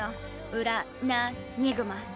ウラ・ナ・ニグマ。